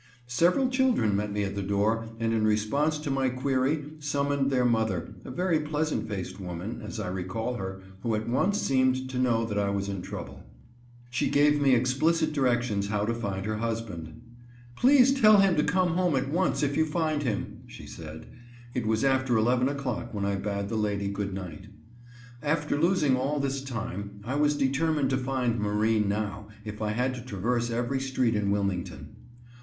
Several children met me at the door, and in response to my query, summoned their mother, a very pleasant faced woman, as I recall her, who at once seemed to know that I was in trouble. She gave me explicit directions how to find her husband. "Please tell him to come home at once, if you find him," she said. It was after 11 o'clock when I bade the lady good night. After losing all this time, I was determined to find Marine now, if I had to traverse every street in Wilmington.